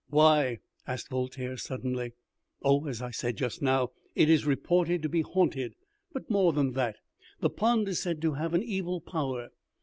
"Why?" asked Voltaire, suddenly. "Oh, as I said just now, it is reported to be haunted; but, more than that, the pond is said to have an evil power.